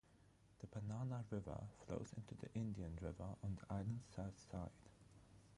The Banana River flows into the Indian River on the island's south side.